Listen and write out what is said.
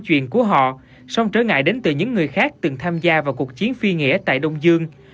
chuyện của họ song trở ngại đến từ những người khác từng tham gia vào cuộc chiến phi nghĩa tại đông dương